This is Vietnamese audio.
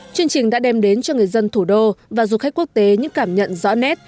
chương trình đã đem đến cho người dân thủ đô và du khách quốc tế những cảm nhận rõ nét